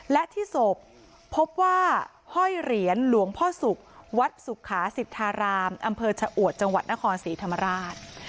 และที่ศพพบว่าห้อยเหรียญหลวงพ่อศุกร์วัดสุขาสิทธารามอำเภอชะอวดจังหวัดนครศรีธรรมราช